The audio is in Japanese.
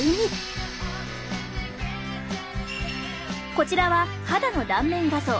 こちらは肌の断面画像。